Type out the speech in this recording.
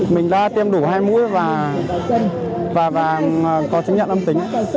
mình đã tiêm đủ hai mũi và có chứng nhận âm tính